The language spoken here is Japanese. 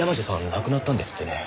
亡くなったんですってね。